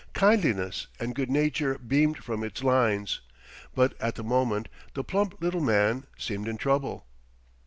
Kindliness and good nature beamed from its lines; but at the moment the plump little man seemed in trouble.